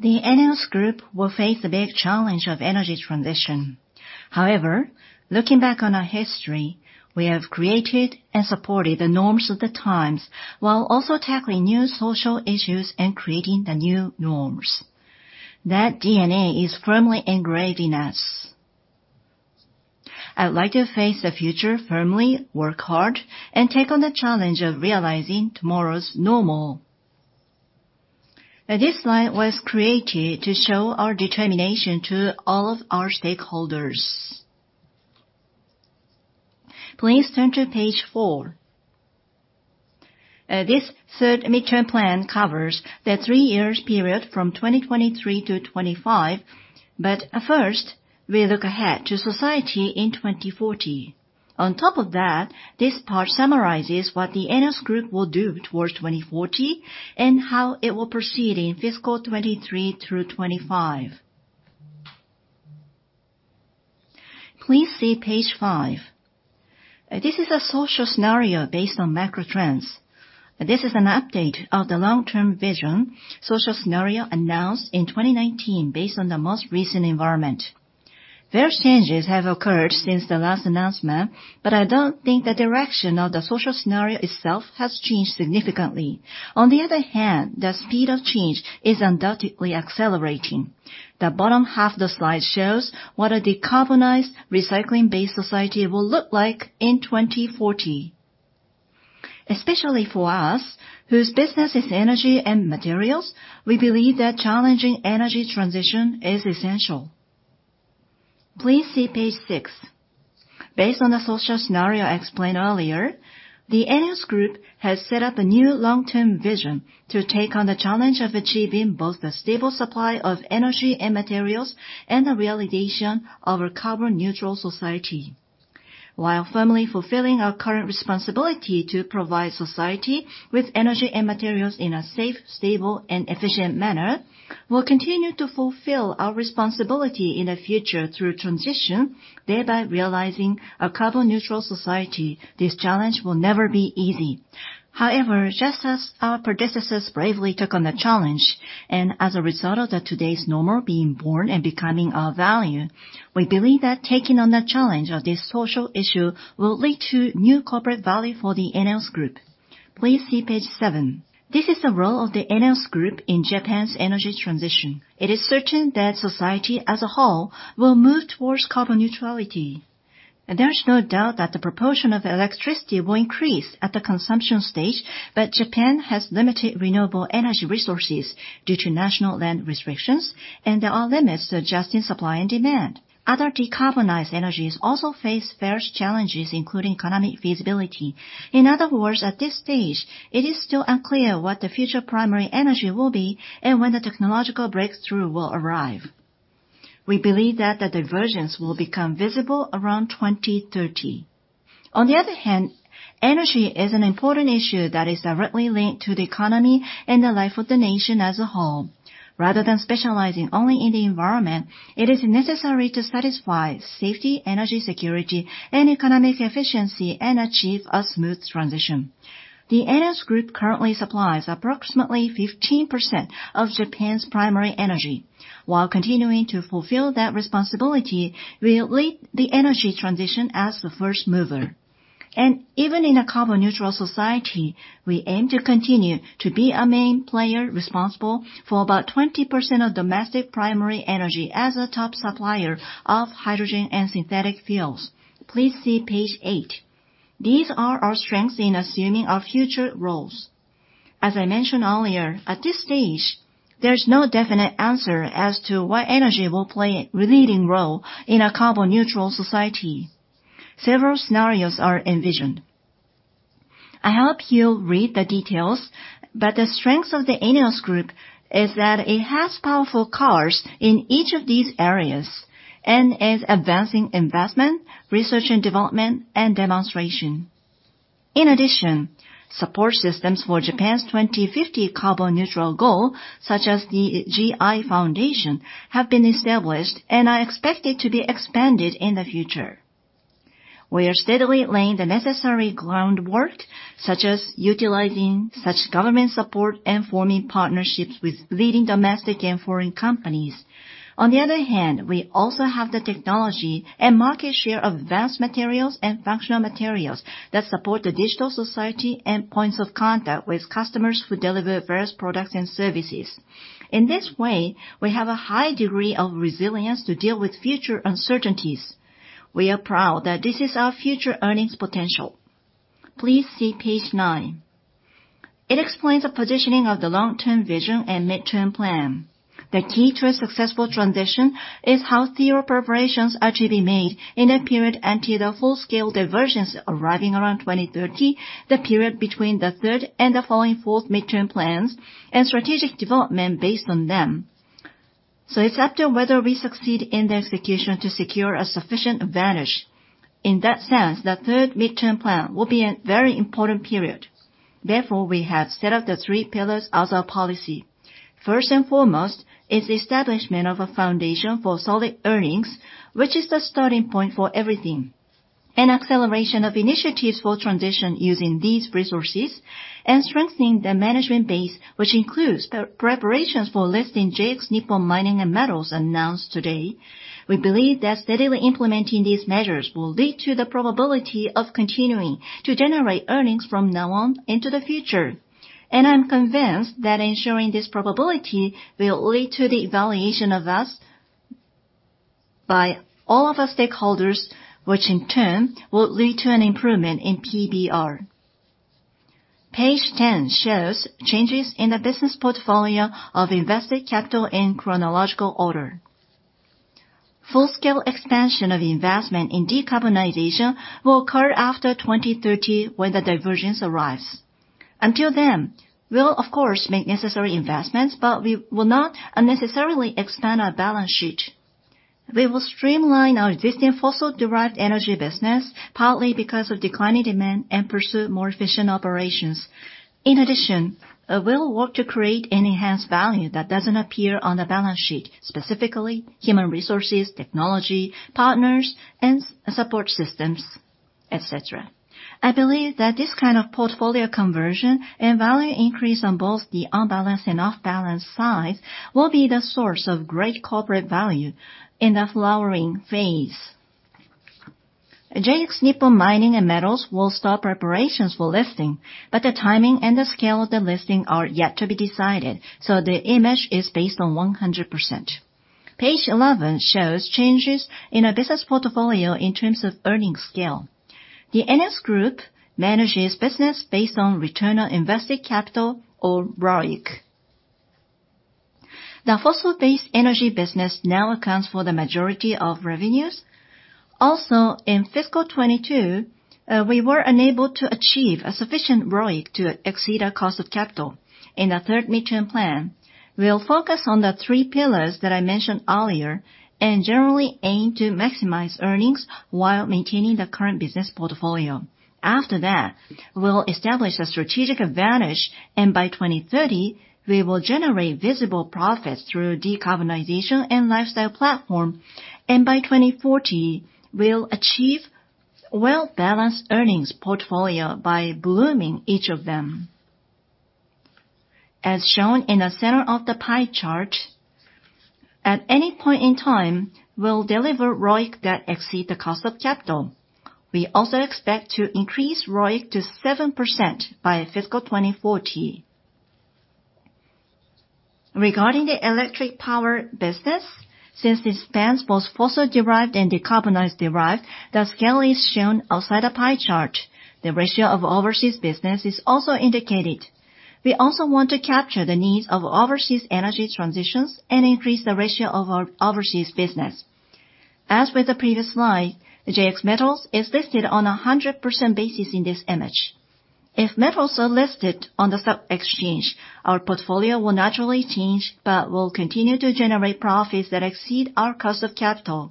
The ENEOS Group will face the big challenge of energy transition. However, looking back on our history, we have created and supported the norms of the times, while also tackling new social issues and creating the new norms. That DNA is firmly engraved in us. I would like to face the future firmly, work hard, and take on the challenge of realizing tomorrow's normal. This slide was created to show our determination to all of our stakeholders. Please turn to page four. This third midterm plan covers the three years period from 2023-2025. First, we look ahead to society in 2040. On top of that, this part summarizes what the ENEOS Group will do towards 2040, and how it will proceed in fiscal 23 through 25. Please see page five. This is a social scenario based on macro trends. This is an update of the long-term vision social scenario announced in 2019 based on the most recent environment. Various changes have occurred since the last announcement, but I don't think the direction of the social scenario itself has changed significantly. On the other hand, the speed of change is undoubtedly accelerating. The bottom half of the slide shows what a decarbonized recycling-based society will look like in 2040. Especially for us, whose business is energy and materials, we believe that challenging energy transition is essential. Please see page six. Based on the social scenario explained earlier, the ENEOS Group has set up a new long-term vision to take on the challenge of achieving both the stable supply of energy and materials, and the realization of a carbon neutral society. While firmly fulfilling our current responsibility to provide society with energy and materials in a safe, stable, and efficient manner, we'll continue to fulfill our responsibility in the future through transition, thereby realizing a carbon neutral society. This challenge will never be easy. However, just as our predecessors bravely took on the challenge, and as a result of the today's normal being born and becoming our value, we believe that taking on the challenge of this social issue will lead to new corporate value for the ENEOS Group. Please see page seven. This is the role of the ENEOS Group in Japan's energy transition. It is certain that society as a whole will move towards carbon neutrality. There's no doubt that the proportion of electricity will increase at the consumption stage, but Japan has limited renewable energy resources due to national land restrictions, and there are limits to adjusting supply and demand. Other decarbonized energies also face various challenges, including economic feasibility. In other words, at this stage, it is still unclear what the future primary energy will be, and when the technological breakthrough will arrive. We believe that the divergence will become visible around 2030. On the other hand, energy is an important issue that is directly linked to the economy and the life of the nation as a whole. Rather than specializing only in the environment, it is necessary to satisfy safety, energy security, and economic efficiency, and achieve a smooth transition. The ENEOS Group currently supplies approximately 15% of Japan's primary energy. While continuing to fulfill that responsibility, we'll lead the energy transition as the first mover. Even in a carbon neutral society, we aim to continue to be a main player responsible for about 20% of domestic primary energy as a top supplier of hydrogen and synthetic fuels. Please see page eight. These are our strengths in assuming our future roles. As I mentioned earlier, at this stage, there's no definite answer as to what energy will play a leading role in a carbon neutral society. Several scenarios are envisioned. I hope you read the details, the strengths of the ENEOS Group is that it has powerful cars in each of these areas, and is advancing investment, research and development, and demonstration. Support systems for Japan's 2050 carbon neutral goal, such as the GI Foundation, have been established and are expected to be expanded in the future. We are steadily laying the necessary groundwork, such as utilizing such government support and forming partnerships with leading domestic and foreign companies. We also have the technology and market share of vast materials and functional materials that support the digital society and points of contact with customers who deliver various products and services. We have a high degree of resilience to deal with future uncertainties. We are proud that this is our future earnings potential. Please see page nine. It explains the positioning of the long-term vision and midterm plan. The key to a successful transition is how theory preparations are to be made in a period until the full-scale diversions arriving around 2030, the period between the third and the following fourth midterm plans, and strategic development based on them. It's up to whether we succeed in the execution to secure a sufficient advantage. In that sense, the third midterm plan will be a very important period. We have set up the three pillars as our policy. First and foremost is establishment of a foundation for solid earnings, which is the starting point for everything. An acceleration of initiatives for transition using these resources and strengthening the management base, which includes the preparations for listing JX Nippon Mining & Metals announced today. We believe that steadily implementing these measures will lead to the probability of continuing to generate earnings from now on into the future. I'm convinced that ensuring this probability will lead to the evaluation of us by all of our stakeholders, which in turn will lead to an improvement in PBR. Page 10 shows changes in the business portfolio of invested capital in chronological order. Full-scale expansion of investment in decarbonization will occur after 2030 when the divergence arrives. Until then, we'll of course make necessary investments, but we will not unnecessarily expand our balance sheet. We will streamline our existing fossil-derived energy business, partly because of declining demand, and pursue more efficient operations. In addition, we'll work to create an enhanced value that doesn't appear on the balance sheet, specifically human resources, technology, partners, and support systems, et cetera. I believe that this kind of portfolio conversion and value increase on both the on-balance and off-balance side will be the source of great corporate value in the flowering phase. JX Nippon Mining & Metals will start preparations for listing, the timing and the scale of the listing are yet to be decided, the image is based on 100%. Page 11 shows changes in our business portfolio in terms of earning scale. The ENEOS Group manages business based on return on invested capital, or ROIC. The fossil-based energy business now accounts for the majority of revenues. In fiscal 2022, we were unable to achieve a sufficient ROIC to exceed our cost of capital. In the third midterm plan, we'll focus on the three pillars that I mentioned earlier and generally aim to maximize earnings while maintaining the current business portfolio. After that, we'll establish a strategic advantage, by 2030, we will generate visible profits through decarbonization and lifestyle platform. By 2040, we'll achieve well-balanced earnings portfolio by blooming each of them. As shown in the center of the pie chart, at any point in time, we'll deliver ROIC that exceed the cost of capital. We also expect to increase ROIC to 7% by fiscal 2040. Regarding the electric power business, since it spans both fossil-derived and decarbonized derived, the scale is shown outside the pie chart. The ratio of overseas business is also indicated. We also want to capture the needs of overseas energy transitions and increase the ratio of our overseas business. As with the previous slide, the JX Metals is listed on a 100% basis in this image. If metals are listed on the sub-exchange, our portfolio will naturally change, but we'll continue to generate profits that exceed our cost of capital.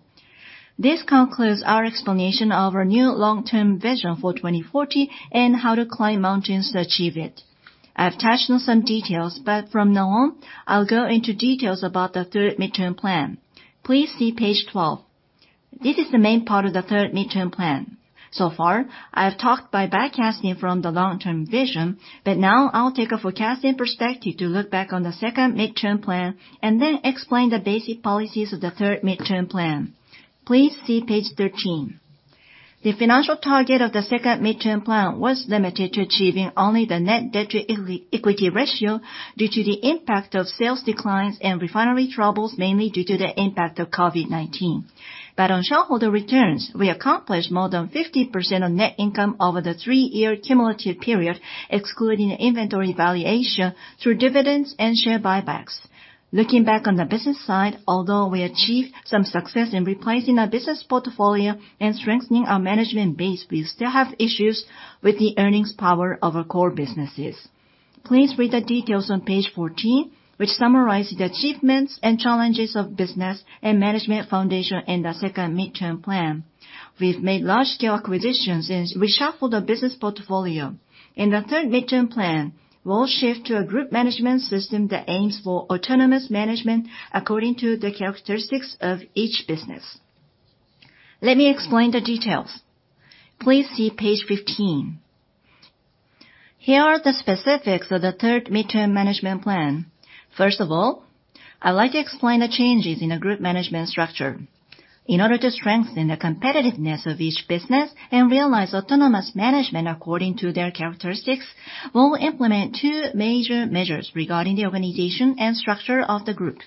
This concludes our explanation of our new long-term vision for 2040 and how to climb mountains to achieve it. I have touched on some details, but from now on, I'll go into details about the third midterm plan. Please see page 12. This is the main part of the third midterm plan. So far, I've talked by backcasting from the long-term vision, but now I'll take a forecasting perspective to look back on the second midterm plan and then explain the basic policies of the third midterm plan. Please see page 13. The financial target of the second midterm plan was limited to achieving only the net debt to equity ratio due to the impact of sales declines and refinery troubles, mainly due to the impact of COVID-19. On shareholder returns, we accomplished more than 50% of net income over the three-year cumulative period, excluding the inventory valuation through dividends and share buybacks. Looking back on the business side, although we achieved some success in replacing our business portfolio and strengthening our management base, we still have issues with the earnings power of our core businesses. Please read the details on page 14, which summarize the achievements and challenges of business and management foundation in the second midterm plan. We've made large-scale acquisitions and reshuffled the business portfolio. In the third midterm plan, we'll shift to a group management system that aims for autonomous management according to the characteristics of each business. Let me explain the details. Please see page 15. Here are the specifics of the third midterm management plan. First of all, I'd like to explain the changes in the group management structure. In order to strengthen the competitiveness of each business and realize autonomous management according to their characteristics, we'll implement two major measures regarding the organization and structure of the group.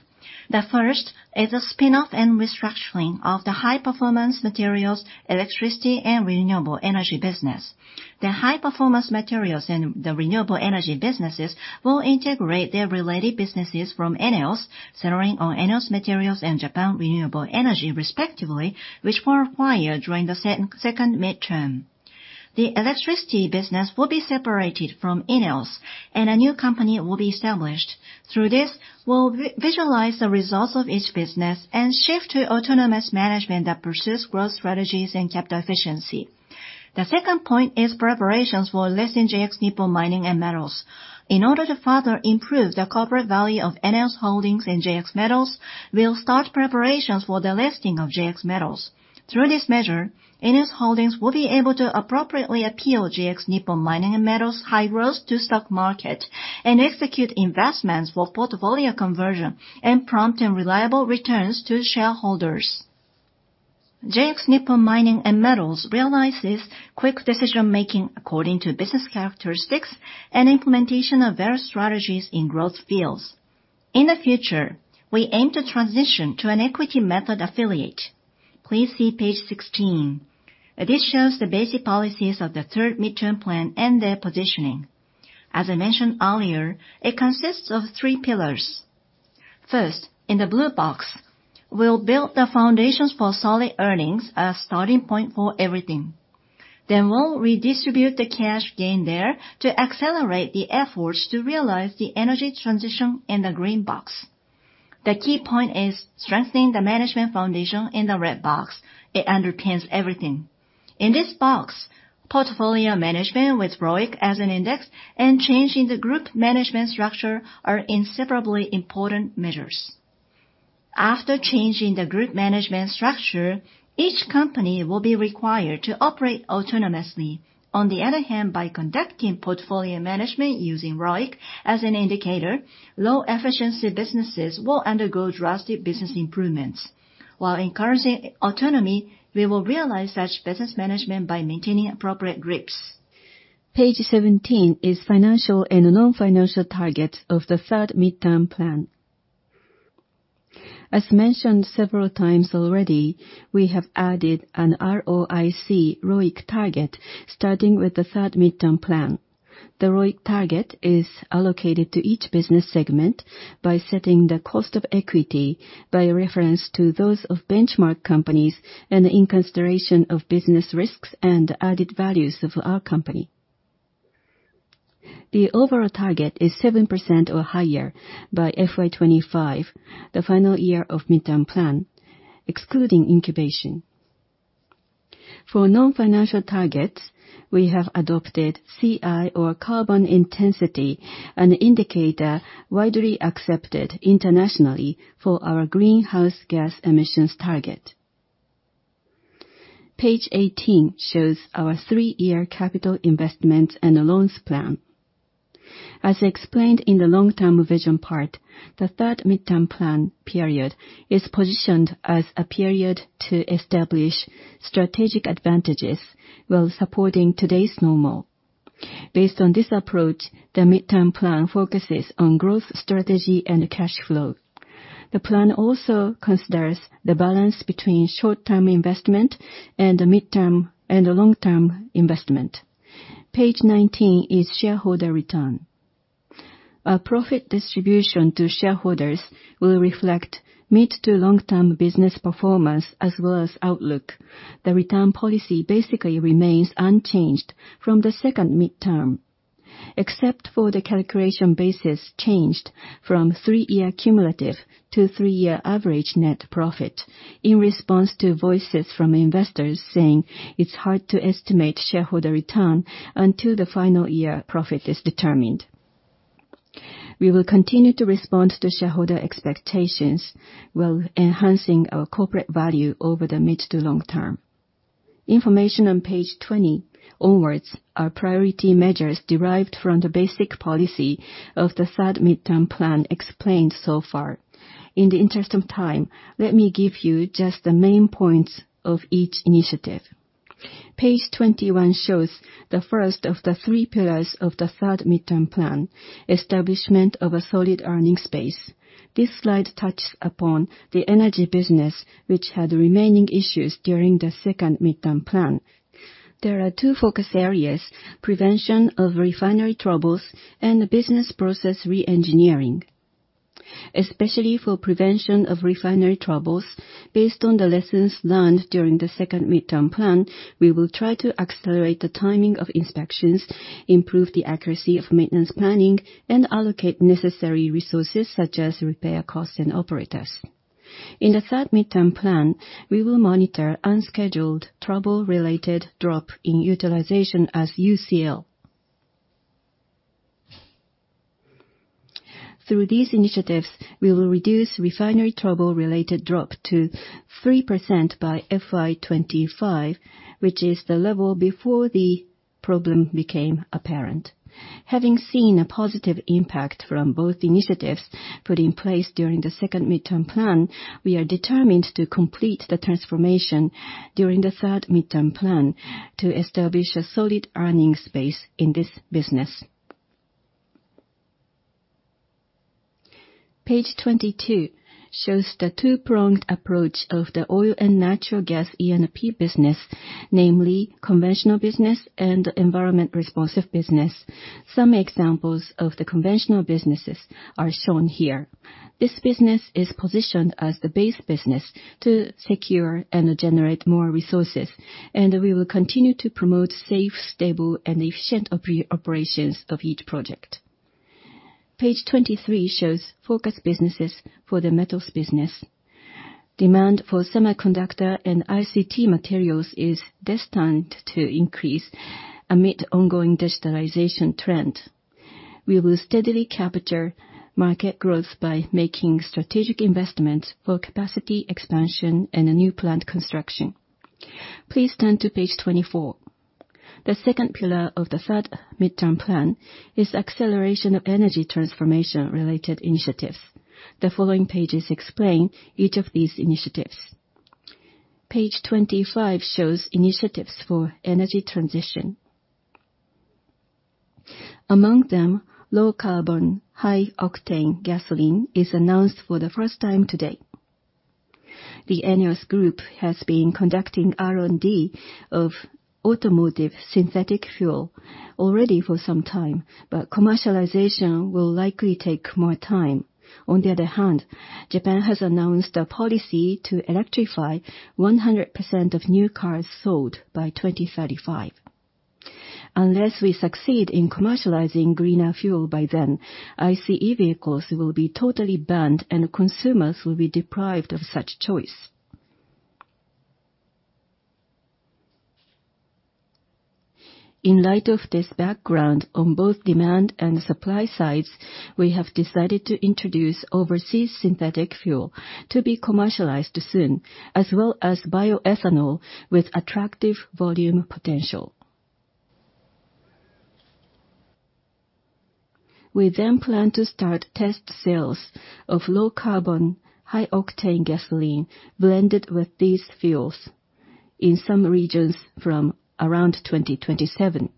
The first is a spin-off and restructuring of the high-performance materials, electricity, and renewable energy business. The high-performance materials and the renewable energy businesses will integrate their related businesses from ENEOS, centering on ENEOS Materials and Japan Renewable Energy respectively, which were acquired during the second midterm. The electricity business will be separated from ENEOS, and a new company will be established. Through this, we'll visualize the results of each business and shift to autonomous management that pursues growth strategies and capital efficiency. The second point is preparations for listing JX Nippon Mining & Metals. In order to further improve the corporate value of ENEOS Holdings and JX Metals, we'll start preparations for the listing of JX Metals. Through this measure, ENEOS Holdings will be able to appropriately appeal JX Nippon Mining & Metals high growth to stock market and execute investments for portfolio conversion and prompt and reliable returns to shareholders. JX Nippon Mining & Metals realizes quick decision-making according to business characteristics and implementation of various strategies in growth fields. In the future, we aim to transition to an equity method affiliate. Please see page 16. This shows the basic policies of the third midterm plan and their positioning. As I mentioned earlier, it consists of three pillars. First, in the blue box, we'll build the foundations for solid earnings, a starting point for everything. We'll redistribute the cash gain there to accelerate the efforts to realize the energy transition in the green box. The key point is strengthening the management foundation in the red box. It underpins everything. In this box, portfolio management with ROIC as an index and changing the group management structure are inseparably important measures. After changing the group management structure, each company will be required to operate autonomously. By conducting portfolio management using ROIC as an indicator, low efficiency businesses will undergo drastic business improvements. While encouraging autonomy, we will realize such business management by maintaining appropriate grips. Page 17 is financial and non-financial targets of the third midterm plan. As mentioned several times already, we have added an R-O-I-C, ROIC, target starting with the third midterm plan. The ROIC target is allocated to each business segment by setting the cost of equity by reference to those of benchmark companies and in consideration of business risks and added values of our company. The overall target is 7% or higher by FY 2025, the final year of midterm plan, excluding incubation. For non-financial targets, we have adopted CI or Carbon Intensity, an indicator widely accepted internationally for our greenhouse gas emissions target. Page 18 shows our three-year capital investments and loans plan. As explained in the long-term vision part, the third midterm plan period is positioned as a period to establish strategic advantages while supporting today's normal. Based on this approach, the midterm plan focuses on growth strategy and cash flow. The plan also considers the balance between short-term investment and the midterm and the long-term investment. Page 19 is shareholder return. Our profit distribution to shareholders will reflect mid to long-term business performance as well as outlook. The return policy basically remains unchanged from the second midterm, except for the calculation basis changed from three-year cumulative to three-year average net profit in response to voices from investors saying it's hard to estimate shareholder return until the final year profit is determined. We will continue to respond to shareholder expectations while enhancing our corporate value over the mid to long term. Information on page 20 onwards are priority measures derived from the basic policy of the Third Midterm Plan explained so far. In the interest of time, let me give you just the main points of each initiative. Page 21 shows the first of the three pillars of the Third Midterm Plan, establishment of a solid earning space. This slide touches upon the energy business, which had remaining issues during the second midterm plan. There are two focus areas, prevention of refinery troubles and the business process re-engineering. Especially for prevention of refinery troubles, based on the lessons learned during the second midterm plan, we will try to accelerate the timing of inspections, improve the accuracy of maintenance planning, and allocate necessary resources such as repair costs and operators. In the third midterm plan, we will monitor unscheduled trouble-related drop in utilization as UCL. Through these initiatives, we will reduce refinery trouble-related drop to 3% by FY 25, which is the level before the problem became apparent. Having seen a positive impact from both initiatives put in place during the second midterm plan, we are determined to complete the transformation during the third midterm plan to establish a solid earning space in this business. Page 22 shows the two-pronged approach of the oil and natural gas E&P business, namely conventional business and environment responsive business. Some examples of the conventional businesses are shown here. This business is positioned as the base business to secure and generate more resources, we will continue to promote safe, stable, and efficient operations of each project. Page 23 shows focus businesses for the metals business. Demand for semiconductor and ICT materials is destined to increase amid ongoing digitalization trend. We will steadily capture market growth by making strategic investments for capacity expansion and a new plant construction. Please turn to page 24. The second pillar of the third midterm plan is acceleration of energy transformation-related initiatives. The following pages explain each of these initiatives. Page 25 shows initiatives for energy transition. Among them, low-carbon high-octane gasoline is announced for the first time today. The ENEOS Group has been conducting R&D of automotive synthetic fuel already for some time, but commercialization will likely take more time. On the other hand, Japan has announced a policy to electrify 100% of new cars sold by 2035. Unless we succeed in commercializing greener fuel by then, ICE vehicles will be totally banned and consumers will be deprived of such choice. In light of this background on both demand and supply sides, we have decided to introduce overseas synthetic fuel to be commercialized soon, as well as bioethanol with attractive volume potential. We plan to start test sales of low-carbon high-octane gasoline blended with these fuels in some regions from around 2027.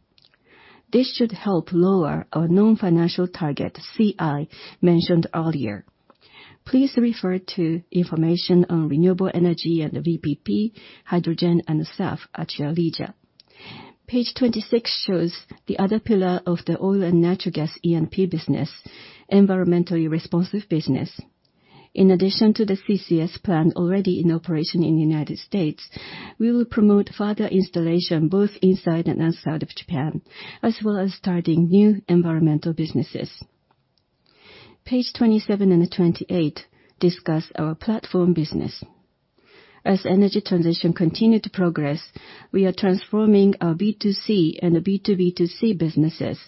This should help lower our non-financial target, CI, mentioned earlier. Please refer to information on renewable energy and VPP, hydrogen and SAF at your leisure. Page 26 shows the other pillar of the oil and natural gas E&P business, environmentally responsive business. In addition to the CCS plant already in operation in United States, we will promote further installation both inside and outside of Japan, as well as starting new environmental businesses. Page 27 and 28 discuss our platform business. As energy transition continue to progress, we are transforming our B2C and B2B2C businesses,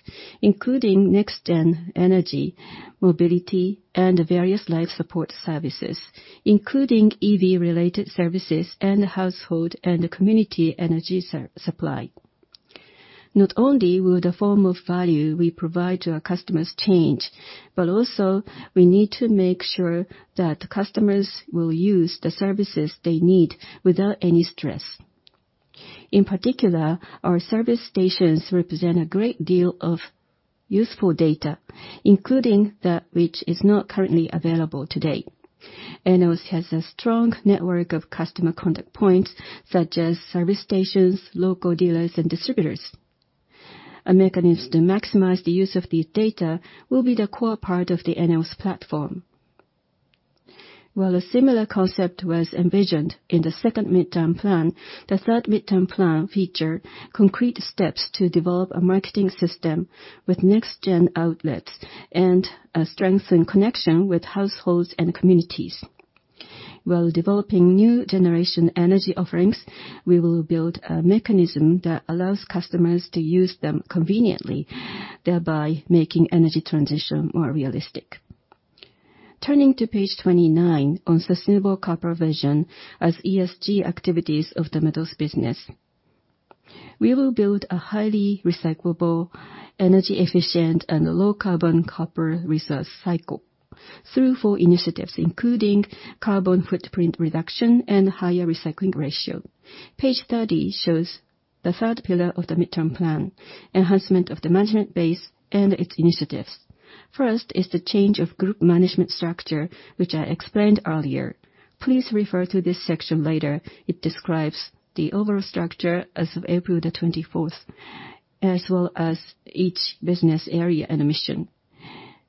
including next-gen energy, mobility, and various life support services, including EV-related services and household and community energy supply. Not only will the form of value we provide to our customers change, but also we need to make sure that customers will use the services they need without any stress. In particular, our service stations represent a great deal of useful data, including that which is not currently available today. ENEOS has a strong network of customer contact points such as service stations, local dealers, and distributors. A mechanism to maximize the use of this data will be the core part of the ENEOS platform. A similar concept was envisioned in the second midterm plan, the third midterm plan feature concrete steps to develop a marketing system with next-gen outlets and strengthen connection with households and communities. Developing new generation energy offerings, we will build a mechanism that allows customers to use them conveniently, thereby making energy transition more realistic. Turning to page 29 on sustainable copper vision as ESG activities of the metals business. We will build a highly recyclable, energy efficient, and low-carbon copper resource cycle through four initiatives, including carbon footprint reduction and higher recycling ratio. Page 30 shows the third pillar of the midterm plan, enhancement of the management base and its initiatives. First is the change of group management structure, which I explained earlier. Please refer to this section later. It describes the overall structure as of April 24th, as well as each business area and mission.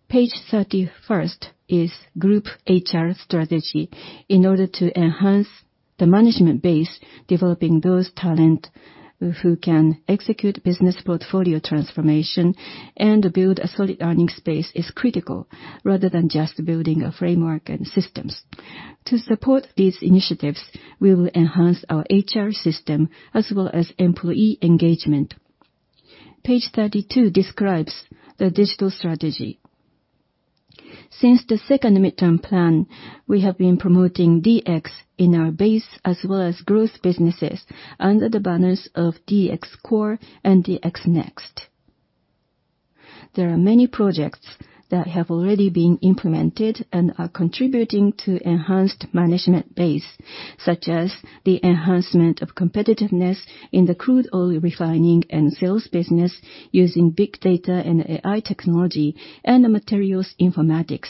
Page 31st is group HR strategy. In order to enhance the management base, developing those talent who can execute business portfolio transformation and build a solid earning space is critical rather than just building a framework and systems. To support these initiatives, we will enhance our HR system as well as employee engagement. Page 32 describes the digital strategy. Since the second midterm plan, we have been promoting DX in our base as well as growth businesses under the banners of DX Core and DX Next. There are many projects that have already been implemented and are contributing to enhanced management base, such as the enhancement of competitiveness in the crude oil refining and sales business using big data and AI technology and Materials Informatics.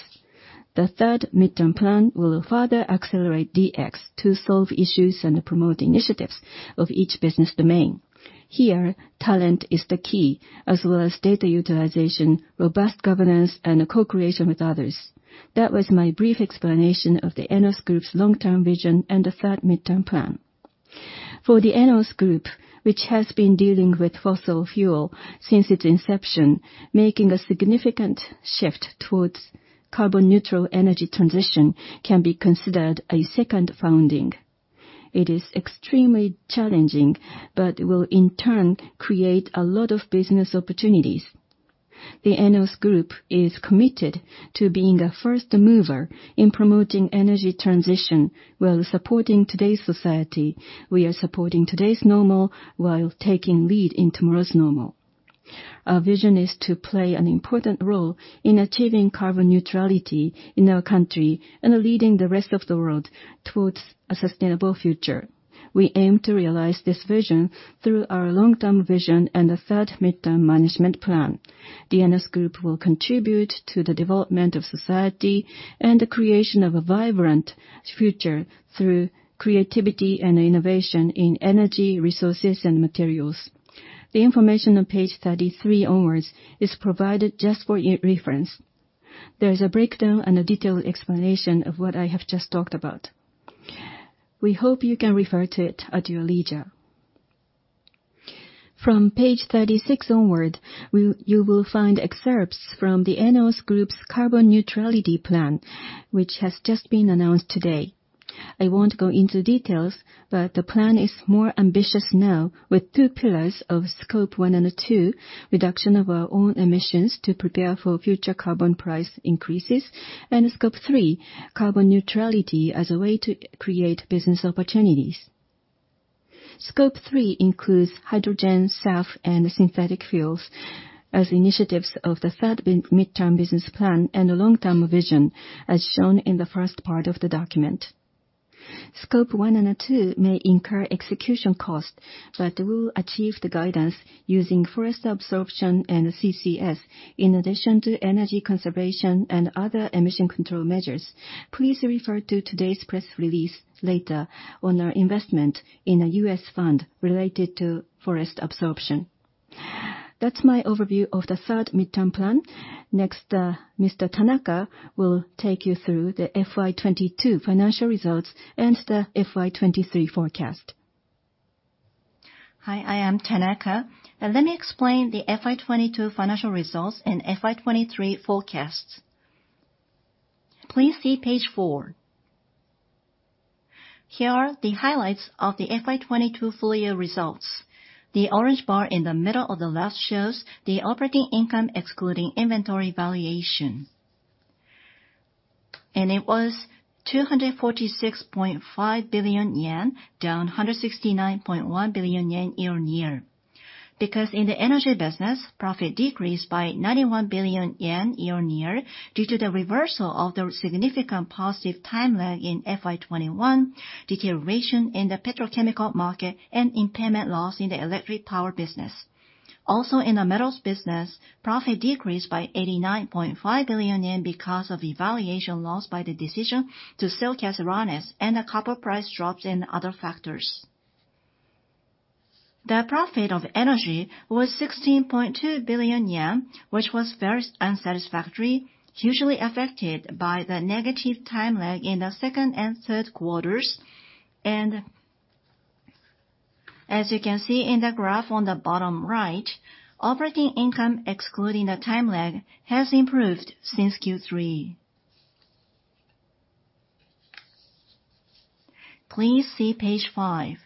The third midterm plan will further accelerate DX to solve issues and promote initiatives of each business domain. Here, talent is the key, as well as data utilization, robust governance, and co-creation with others. That was my brief explanation of the ENEOS Group's long-term vision and the third midterm plan. For the ENEOS Group, which has been dealing with fossil fuel since its inception, making a significant shift towards carbon neutral energy transition can be considered a second founding. It is extremely challenging, but will in turn create a lot of business opportunities. The ENEOS Group is committed to being a first mover in promoting energy transition while supporting today's society. We are supporting today's normal while taking lead in tomorrow's normal. Our vision is to play an important role in achieving carbon neutrality in our country, leading the rest of the world towards a sustainable future. We aim to realize this vision through our long-term vision and the third midterm management plan. The ENEOS Group will contribute to the development of society and the creation of a vibrant future through creativity and innovation in energy, resources, and materials. The information on page 33 onwards is provided just for reference. There's a breakdown and a detailed explanation of what I have just talked about. We hope you can refer to it at your leisure. From page 36 onward, you will find excerpts from the ENEOS Group's carbon neutrality plan, which has just been announced today. I won't go into details, but the plan is more ambitious now with two pillars of Scope 1 and 2, reduction of our own emissions to prepare for future carbon price increases, and Scope 3, carbon neutrality as a way to create business opportunities. Scope 3 includes hydrogen, SAF, and synthetic fuels as initiatives of the third midterm business plan and a long-term vision, as shown in the first part of the document. Scope 1 and 2 may incur execution costs, but we'll achieve the guidance using forest absorption and CCS, in addition to energy conservation and other emission control measures. Please refer to today's press release later on our investment in a U.S. fund related to forest absorption. That's my overview of the third midterm plan. Mr. Tanaka will take you through the FY 2022 financial results and the FY 2023 forecast. Hi, I am Tanaka. Let me explain the FY 2022 financial results and FY 2023 forecasts. Please see page four. Here are the highlights of the FY 2022 full year results. The orange bar in the middle of the left shows the operating income excluding inventory valuation. It was 246.5 billion yen, down 169.1 billion yen year-on-year. In the energy business, profit decreased by 91 billion yen year-on-year due to the reversal of the significant positive time lag in FY 2021, deterioration in the petrochemical market, and impairment loss in the electric power business. In the metals business, profit decreased by 89.5 billion yen because of evaluation loss by the decision to sell Caserones and the copper price drops and other factors. The profit of Energy was JPY 16.2 billion, which was very unsatisfactory, hugely affected by the negative time lag in the second and Q3s. As you can see in the graph on the bottom right, operating income excluding the time lag has improved since Q3. Please see page five.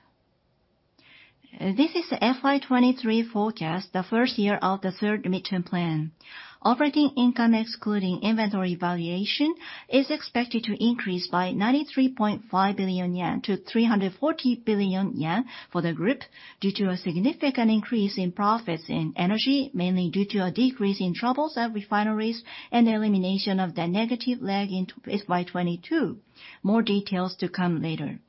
This is the FY 2023 forecast, the first year of the third midterm plan. Operating income excluding inventory valuation is expected to increase by 93.5 billion yen to 340 billion yen for the group due to a significant increase in profits in Energy, mainly due to a decrease in troubles at refineries and elimination of the negative lag in FY 2022. More details to come later.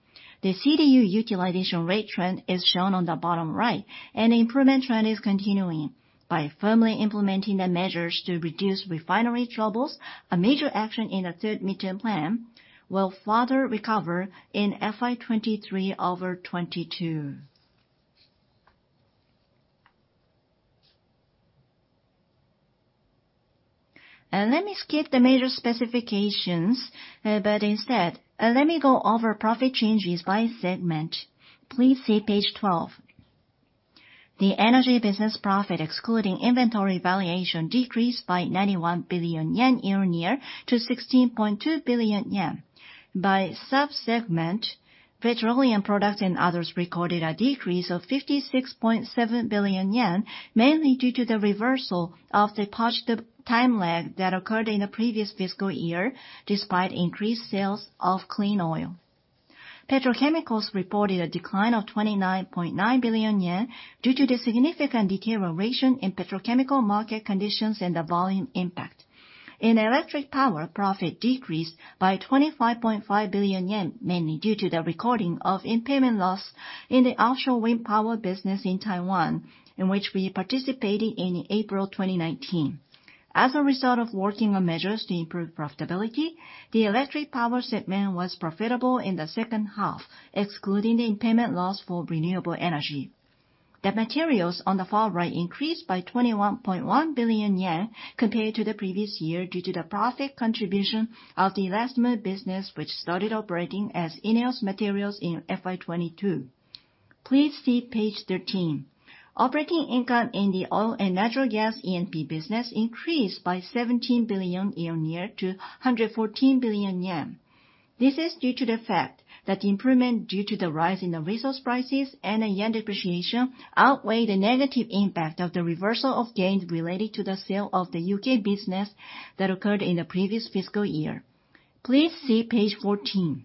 The CDU utilization rate trend is shown on the bottom right, and improvement trend is continuing. By firmly implementing the measures to reduce refinery troubles, a major action in the third midterm plan will further recover in FY23 over 22. Let me skip the major specifications, but instead, let me go over profit changes by segment. Please see page 12. The energy business profit, excluding inventory valuation, decreased by 91 billion yen year-on-year to 16.2 billion yen. By sub-segment, petroleum products and others recorded a decrease of 56.7 billion yen, mainly due to the reversal of the positive time lag that occurred in the previous fiscal year, despite increased sales of clean oil. Petrochemicals reported a decline of 29.9 billion yen due to the significant deterioration in petrochemical market conditions and the volume impact. In electric power, profit decreased by 25.5 billion yen, mainly due to the recording of impairment loss in the offshore wind power business in Taiwan, in which we participated in April 2019. As a result of working on measures to improve profitability, the electric power segment was profitable in the H2, excluding the impairment loss for renewable energy. The materials on the far right increased by 21.1 billion yen compared to the previous year due to the profit contribution of the elastomer business, which started operating as ENEOS Materials in FY 2022. Please see page 13. Operating income in the oil and natural gas E&P business increased by 17 billion yen year-on-year to 114 billion yen. This is due to the fact that improvement due to the rise in the resource prices and the yen depreciation outweighed the negative impact of the reversal of gains related to the sale of the U.K. business that occurred in the previous fiscal year. Please see page 14.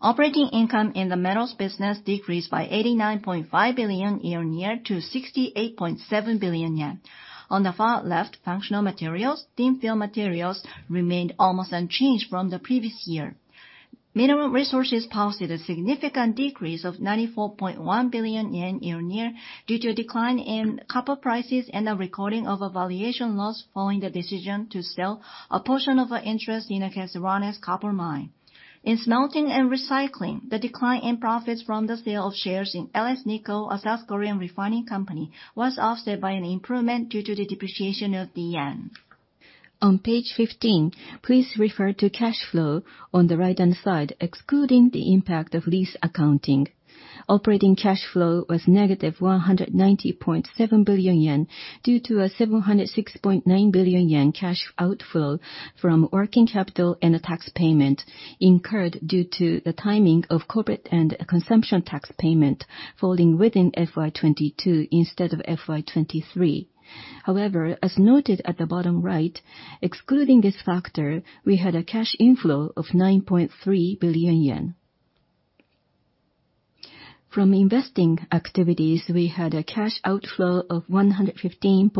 Operating income in the metals business decreased by 89.5 billion yen year-on-year to 68.7 billion yen. On the far left, functional materials, thin-film materials remained almost unchanged from the previous year. Mineral resources posted a significant decrease of 94.1 billion yen year-on-year due to a decline in copper prices and a recording of a valuation loss following the decision to sell a portion of our interest in Caserones copper mine. In smelting and recycling, the decline in profits from the sale of shares in LS-Nikko Copper, a South Korean refining company, was offset by an improvement due to the depreciation of the yen. On page 15, please refer to cash flow on the right-hand side, excluding the impact of lease accounting. Operating cash flow was negative 190.7 billion yen due to a 706.9 billion yen cash outflow from working capital and a tax payment incurred due to the timing of corporate and consumption tax payment falling within FY 2022 instead of FY 2023. As noted at the bottom right, excluding this factor, we had a cash inflow of 9.3 billion yen. From investing activities, we had a cash outflow of 115.9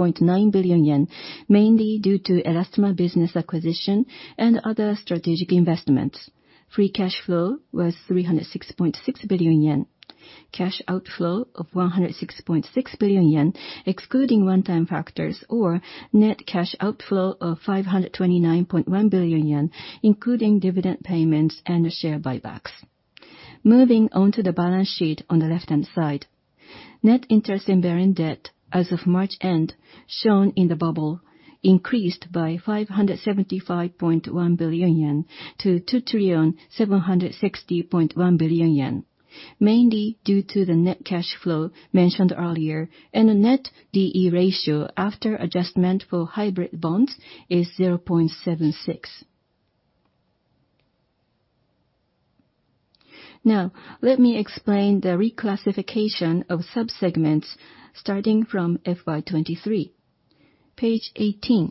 billion yen, mainly due to elastomer business acquisition and other strategic investments. Free cash flow was 306.6 billion yen. Cash outflow of 106.6 billion yen, excluding one-time factors, or net cash outflow of 529.1 billion yen, including dividend payments and share buybacks. Moving on to the balance sheet on the left-hand side. Net interest in bearing debt as of March end, shown in the bubble, increased by 575.1 billion yen to 2,760.1 billion yen, mainly due to the net cash flow mentioned earlier. A net D/E ratio after adjustment for hybrid bonds is 0.76. Let me explain the reclassification of sub-segments starting from FY 2023. Page 18.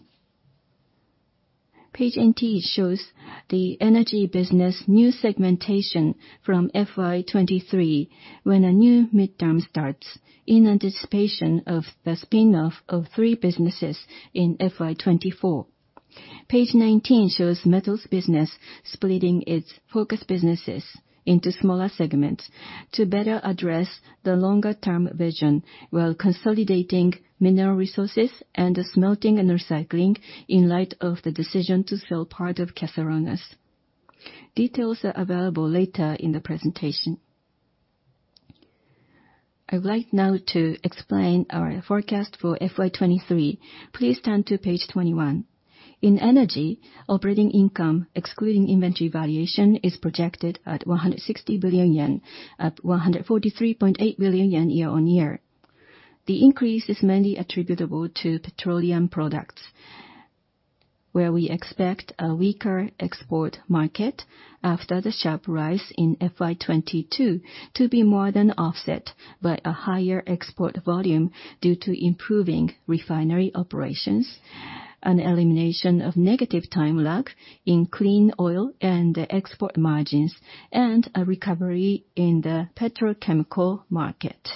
Page 18 shows the energy business new segmentation from FY 2023 when a new midterm starts in anticipation of the spin-off of three businesses in FY 2024. Page 19 shows metals business splitting its focus businesses into smaller segments to better address the longer-term vision while consolidating mineral resources and smelting and recycling in light of the decision to sell part of Caserones. Details are available later in the presentation. I would like now to explain our forecast for FY 2023. Please turn to page 21. In energy, operating income, excluding inventory valuation, is projected at 160 billion yen, at 143.8 billion yen year-on-year. The increase is mainly attributable to petroleum products, where we expect a weaker export market after the sharp rise in FY 2022 to be more than offset by a higher export volume due to improving refinery operations, an elimination of negative time lag in clean oil and export margins, and a recovery in the petrochemical market.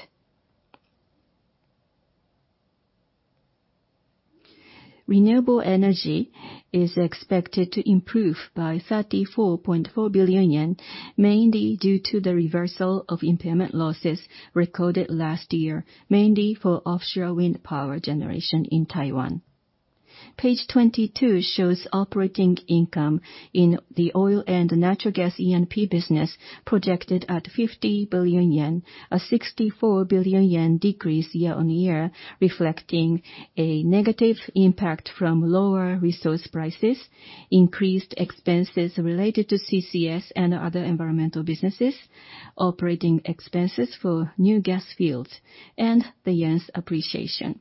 Renewable energy is expected to improve by 34.4 billion yen, mainly due to the reversal of impairment losses recorded last year, mainly for offshore wind power generation in Taiwan. Page 22 shows operating income in the oil and natural gas E&P business projected at 50 billion yen, a 64 billion yen decrease year-on-year, reflecting a negative impact from lower resource prices, increased expenses related to CCS and other environmental businesses, operating expenses for new gas fields, and the yen's appreciation.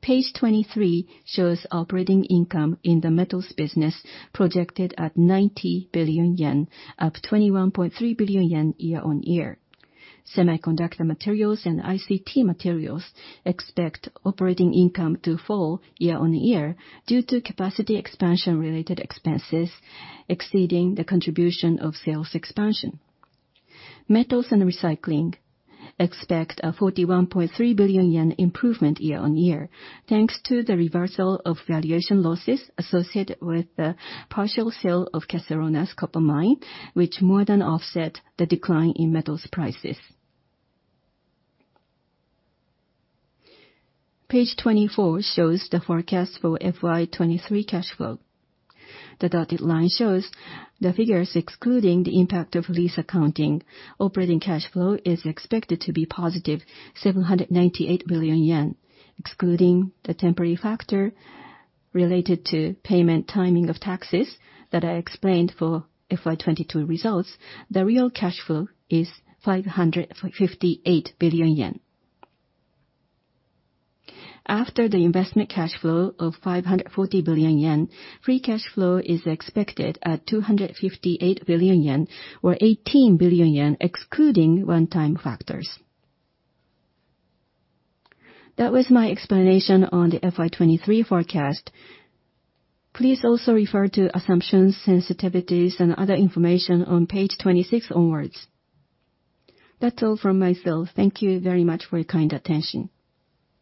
Page 23 shows operating income in the metals business projected at 90 billion yen, up 21.3 billion yen year-on-year. Semiconductor materials and ICT materials expect operating income to fall year-on-year due to capacity expansion related expenses exceeding the contribution of sales expansion. Metals and recycling expect a 41.3 billion yen improvement year-on-year, thanks to the reversal of valuation losses associated with the partial sale of Caserones copper mine, which more than offset the decline in metals prices. Page 24 shows the forecast for FY 2023 cash flow. The dotted line shows the figures excluding the impact of lease accounting. Operating cash flow is expected to be positive, 798 billion yen. Excluding the temporary factor related to payment timing of taxes that I explained for FY 2022 results, the real cash flow is 558 billion yen. After the investment cash flow of 540 billion yen, free cash flow is expected at 258 billion yen or 18 billion yen excluding one-time factors. That was my explanation on the FY 2023 forecast. Please also refer to assumptions, sensitivities, and other information on page 26 onwards. That's all from myself. Thank you very much for your kind attention.